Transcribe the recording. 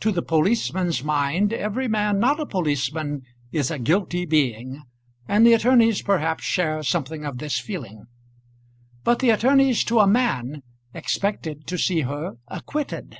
To the policeman's mind every man not a policeman is a guilty being, and the attorneys perhaps share something of this feeling. But the attorneys to a man expected to see her acquitted.